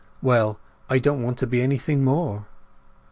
Well, I don't want to be anything more."